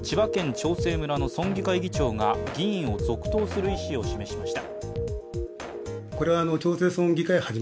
長生村の村議会議長が議員を続投する意思を示しました。